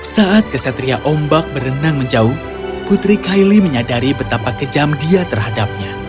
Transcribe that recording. saat kesatria ombak berenang menjauh putri kylie menyadari betapa kejam dia terhadapnya